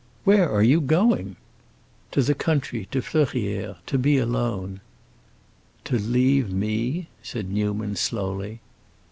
"Where are you going?" "To the country, to Fleurières; to be alone." "To leave me?" said Newman, slowly.